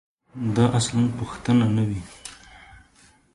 دا اصلاً پوښتنه نه وي.